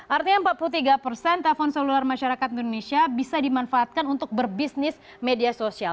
artinya empat puluh tiga persen telpon seluler masyarakat indonesia bisa dimanfaatkan untuk berbisnis media sosial